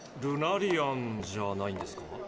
ルナリアンじゃないんですか？